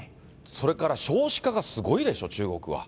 それから少子化がすごいでしょ、中国は。